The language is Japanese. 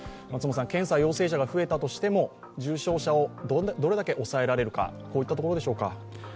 検査陽性者が増えたとしても、重症者をどれだけ抑えられるかというところでしょうか？